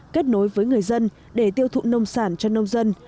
kết nối với người dân để tiêu thụ nông sản cho nông dân